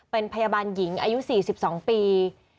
เป็นพยาบาลหญิงอายุ๔๒ปี